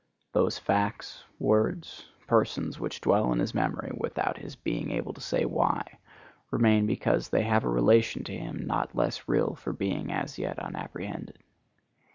Those facts, words, persons, which dwell in his memory without his being able to say why, remain because they have a relation to him not less real for being as yet unapprehended.